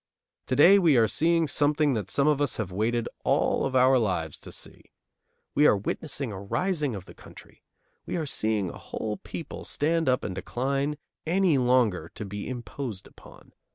To day we are seeing something that some of us have waited all of our lives to see. We are witnessing a rising of the country. We are seeing a whole people stand up and decline any longer to be imposed upon.